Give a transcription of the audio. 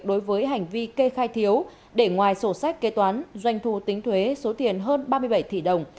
đối với hành vi kê khai thiếu để ngoài sổ sách kế toán doanh thu tính thuế số tiền hơn ba mươi bảy tỷ đồng